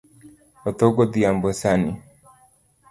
Otho godhiambo sani